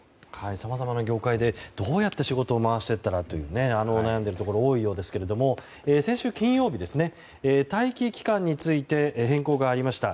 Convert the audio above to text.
さまざまな業界でどう仕事を回していったらと悩んでいるところが多いようですが先週金曜日、待機期間について変更がありました。